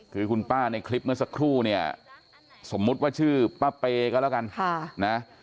คือคุณป้าในคลิปเมื่อสักครู่เนี่ยสมมุติว่าชื่อป้าเปย์ก็แล้วกัน